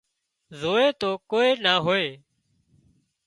زووي تو ڪوئي نا هوئي